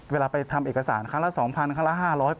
เวลาไปทำเอกสารครั้งละ๒๐๐ครั้งละ๕๐๐บาท